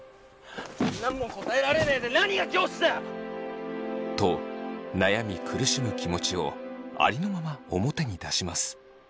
何も答えられねえで何が教師だ！と悩み苦しむ気持ちをありのまま表に出します。